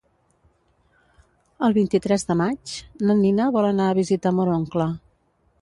El vint-i-tres de maig na Nina vol anar a visitar mon oncle.